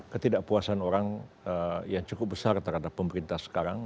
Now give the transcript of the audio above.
ketidakpuasan orang yang cukup besar terhadap pemerintah sekarang